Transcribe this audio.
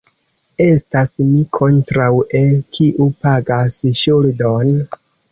Estas mi kontraŭe, kiu pagas ŝuldon.